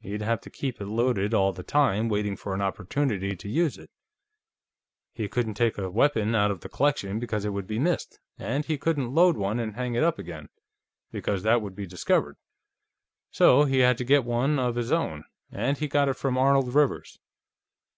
He'd have to keep it loaded all the time, waiting for an opportunity to use it; he couldn't take a weapon out of the collection, because it would be missed, and he couldn't load one and hang it up again, because that would be discovered. So he had to get one of his own, and he got it from Arnold Rivers."